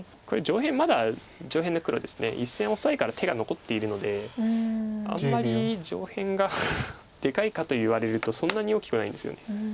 １線オサエから手が残っているのであんまり上辺がでかいかと言われるとそんなに大きくないんですよね。